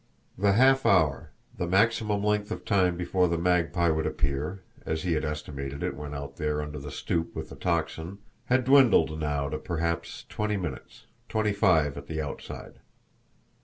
The half hour, the maximum length of time before the Magpie would appear, as he had estimated it when out there under the stoop with the Tocsin, had dwindled now to perhaps twenty minutes, twenty five at the outside.